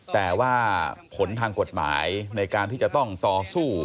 แต่ว่าผลทางกฎหมายในการที่จะต้องต่อสู้